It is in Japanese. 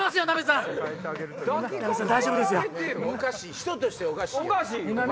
人としておかしい。